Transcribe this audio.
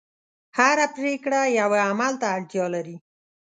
هره پرېکړه یوه عمل ته اړتیا لري.